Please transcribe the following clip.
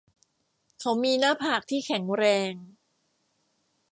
เขามีหน้าผากที่แข็งแรง